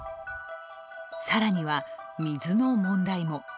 更には水の問題も。